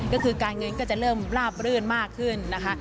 ก็คือการเงินก็จะเริ่มลาบรื่นมากขึ้นนะคะ